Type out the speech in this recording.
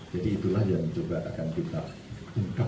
jadi itulah yang coba kami lakukan